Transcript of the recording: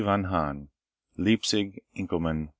von Hahn. (Leipzig: Engelmann.